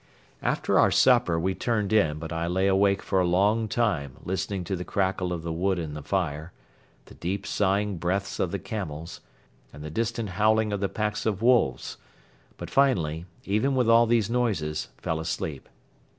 After our supper we turned in but I lay awake for a long time listening to the crackle of the wood in the fire, the deep sighing breaths of the camels and the distant howling of the packs of wolves; but finally, even with all these noises, fell asleep.